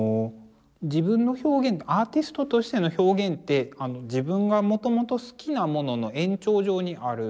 自分の表現アーティストとしての表現って自分がもともと好きなものの延長上にあるんですね。